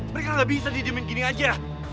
mereka nggak bisa didiemin gini aja